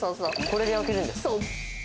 これで焼けるんですか。